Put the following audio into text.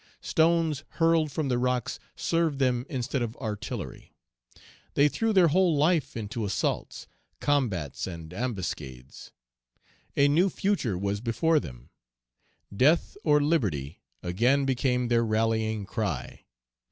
Stones hurled from the rocks served them instead of artillery. They threw their whole life into assaults, combats, and ambuscades. A new future was before them. "Death or liberty!" again became their rallying cry.